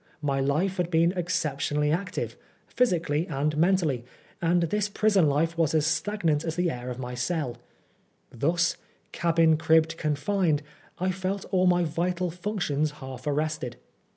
My life had been exceptionally active, physically and mentally, and this prison life was as stagnant as the air of my cell. Thus " cabin'd cribbed, confined," I felt all my vital functions half arrested.